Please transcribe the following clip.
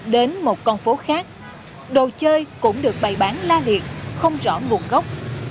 đến một con phố khác đồ chơi cũng được bày bán la liệt không rõ nguồn gốc